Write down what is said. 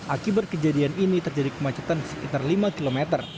akibat kejadian ini terjadi kemacetan sekitar lima km